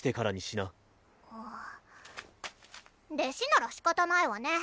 弟子ならしかたないわね。